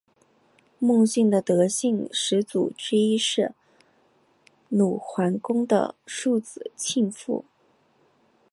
孟姓的得姓始祖之一是鲁桓公的庶子庆父。